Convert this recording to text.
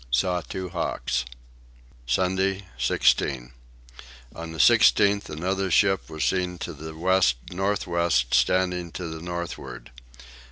Saw two hawks. Sunday 16. On the 16th another ship was seen to the west north west standing to the northward.